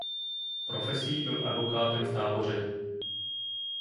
Profesí byl advokátem v Táboře.